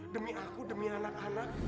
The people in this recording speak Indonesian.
demi aku demi anak anak